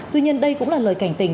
tuy nhiên đây cũng là lời cảnh tình